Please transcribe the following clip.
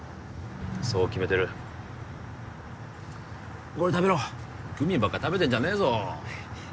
そう決めてるこれ食べろグミばっか食べてんじゃねえぞ